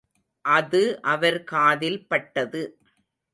அது அவர் காதில் பட்டது.